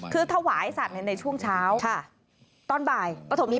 คือถวายสัตว์ในช่วงเช้าตอนบ่ายปฐมนี้